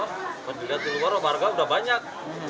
kalau dilihat di luar warga sudah banyak